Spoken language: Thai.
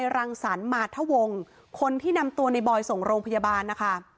รังสรรมาทะวงคนที่นำตัวในบอยส่งโรงพยาบาลนะคะ